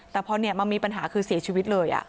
แต่พอเนี่ยมันมีปัญหาคือเสียชีวิตเลยอ่ะ